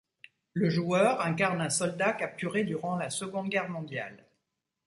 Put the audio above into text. Le joueur incarne un soldat capturé durant la Seconde Guerre mondiale.